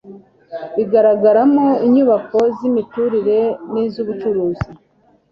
bigaragaramo inyubako z'imiturire n'iz'ubucuruzi.